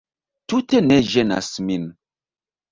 Tute ne ĝenas min